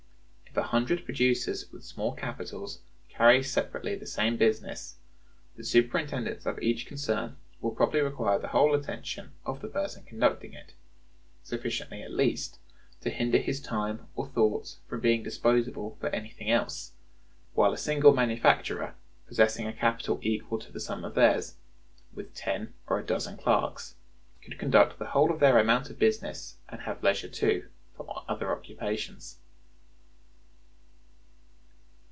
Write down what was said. If a hundred producers with small capitals carry on separately the same business, the superintendence of each concern will probably require the whole attention of the person conducting it, sufficiently, at least, to hinder his time or thoughts from being disposable for anything else; while a single manufacturer possessing a capital equal to the sum of theirs, with ten or a dozen clerks, could conduct the whole of their amount of business, and have leisure, too, for other occupations.